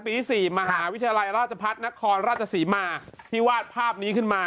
ที่๔มหาวิทยาลัยราชพัฒนครราชศรีมาที่วาดภาพนี้ขึ้นมา